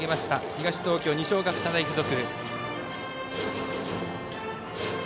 東東京、二松学舎大付属。